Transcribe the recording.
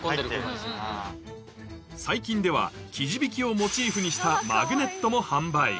最近では生地引きをモチーフにしたマグネットも販売